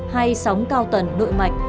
hay sóng cao tần nội mạch